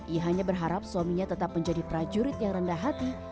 ia hanya berharap suaminya tetap menjadi prajurit yang rendah hati